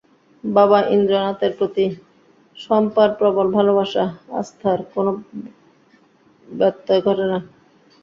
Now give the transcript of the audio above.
বাবা ইন্দ্রনাথের প্রতি শম্পার প্রবল ভালোবাসা, আস্থার কোনো ব্যত্যয় ঘটে না।